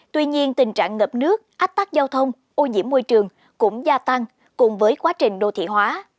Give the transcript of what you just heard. tuy nhiên tình trạng ngập nước ách tắc giao thông ô nhiễm môi trường cũng gia tăng cùng với quá trình đô thị hóa